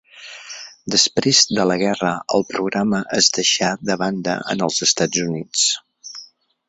Després de la guerra el programa es deixà de banda en els Estats Units.